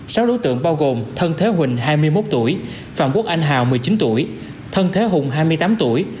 sáu đối tượng bao gồm thân thế huỳnh hai mươi một tuổi phạm quốc anh hào một mươi chín tuổi thân thế hùng hai mươi tám tuổi